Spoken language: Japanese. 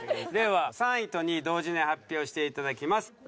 では３位と２位同時に発表していただきます。